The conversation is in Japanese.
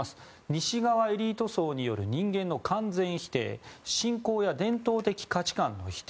西側エリート層による人間の完全否定信仰や伝統的価値観の否定